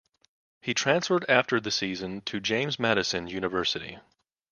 He transferred after the season to James Madison University.